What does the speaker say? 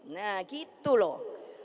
nah gitu loh